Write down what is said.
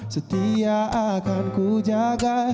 setia akan ku jaga